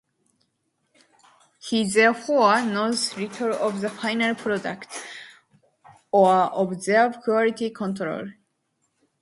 He therefore knows little of the final product, or of their quality control.